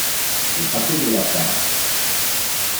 Le pâté de Lapin.